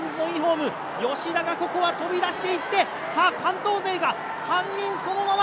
吉田がここは飛び出していって、関東勢が３人そのまま。